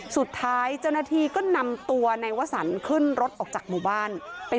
สุดท้ายจนก็นำตัวนายวสรรขึ้นรถออกจากหมู่บ้าน